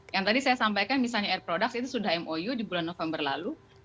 yang tadi saya sampaikan misalnya air product itu sudah mou di bulan november lalu